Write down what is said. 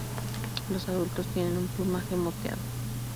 Los adultos tienen un plumaje moteado.